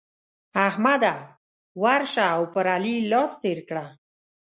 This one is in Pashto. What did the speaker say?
احمده! ورشه او پر علي لاس تېر کړه.